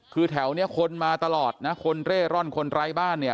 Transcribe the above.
คือแถวนี้คนมาตลอดนะคนเร่ร่อนคนไร้บ้านเนี่ย